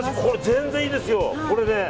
全然いいですよ。